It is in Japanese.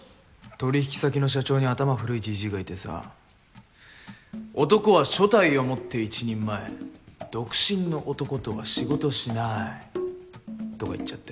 取引先の社長に頭古いじじいがいてさ男は所帯を持って一人前独身の男とは仕事しないとか言っちゃって。